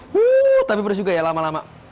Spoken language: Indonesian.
huuuu tapi pedas juga ya lama lama